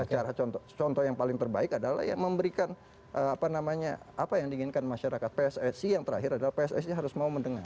cara contoh yang paling terbaik adalah yang memberikan apa namanya apa yang diinginkan masyarakat pssi yang terakhir adalah pssi harus mau mendengar